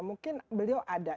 mungkin beliau ada